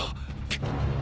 くっ！